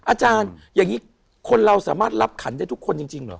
อาจารย์อย่างนี้คนเราสามารถรับขันได้ทุกคนจริงเหรอ